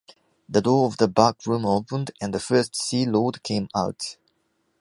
The door of the back room opened, and the First Sea Lord came out.